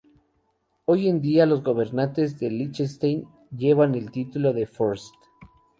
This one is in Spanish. Hoy en día, los gobernantes de Liechtenstein llevan el título de Fürst.